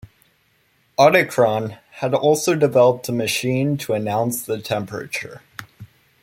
Audichron had also developed a machine to announce the temperature.